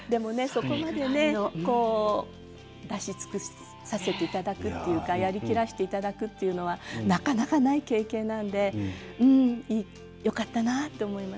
そこまでねこう出し尽くさせていただくっていうかやりきらせていただくっていうのはなかなかない経験なのでよかったなって思います。